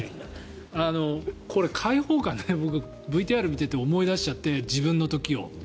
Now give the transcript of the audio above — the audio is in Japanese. これ解放感、僕ＶＴＲを見ていて思い出しちゃって自分の時を。